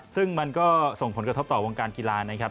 ซึ่งมันก็ส่งผลกระทบต่อวงการกีฬานะครับ